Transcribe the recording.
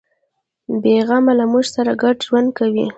بیغمه له موږ سره ګډ ژوند کوي.